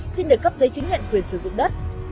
xin được cấp giấy chứng nhận quyền sử dụng đất